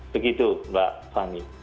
begitu mbak fahmi